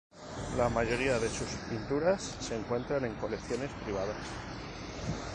La mayoría de sus pinturas se encuentran en colecciones privadas.